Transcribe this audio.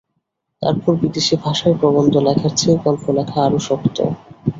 তারপর বিদেশী ভাষায় প্রবন্ধ লেখার চেয়ে গল্প লেখা আরও শক্ত।